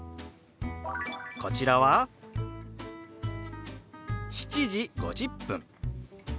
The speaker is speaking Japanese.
こちらは「７時５０分」。